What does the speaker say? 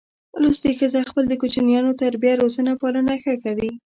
لوستي ښځه خپل د کوچینیانو تربیه روزنه پالنه ښه کوي.